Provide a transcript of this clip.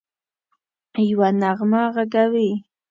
یوه نغمه ږغوي